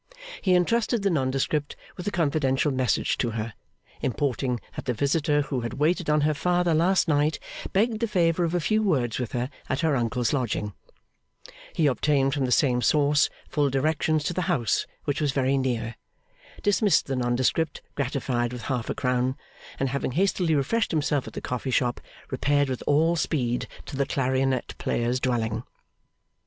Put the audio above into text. He entrusted the nondescript with a confidential message to her, importing that the visitor who had waited on her father last night, begged the favour of a few words with her at her uncle's lodging; he obtained from the same source full directions to the house, which was very near; dismissed the nondescript gratified with half a crown; and having hastily refreshed himself at the coffee shop, repaired with all speed to the clarionet player's dwelling.